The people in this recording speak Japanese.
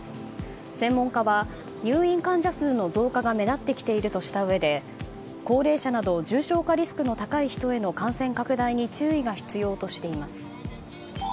専門家は、入院患者数の増加が目立ってきているとしたうえで高齢者など重症化リスクの高い人への感染拡大に注意が必要としています。